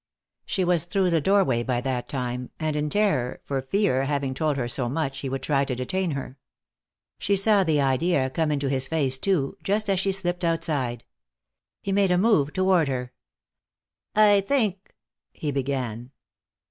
She was through the doorway by that time, and in terror for fear, having told her so much, he would try to detain her. She saw the idea come into his face, too, just as she slipped outside. He made a move toward her. "I think " he began.